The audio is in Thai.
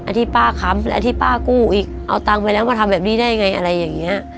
ที่ป้าค้ำไอ้ที่ป้ากู้อีกเอาตังค์ไปแล้วก็ทำแบบนี้ได้ไงอะไรอย่างนี้